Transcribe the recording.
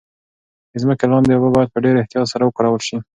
د ځمکې لاندې اوبه باید په ډیر احتیاط سره وکارول شي.